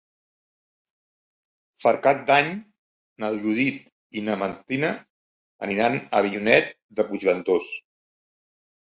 Per Cap d'Any na Judit i na Martina aniran a Avinyonet de Puigventós.